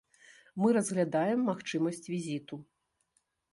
Мы разглядаем магчымасць візіту.